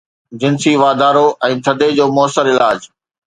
جنسي واڌارو ۽ ٿڌي جو مؤثر علاج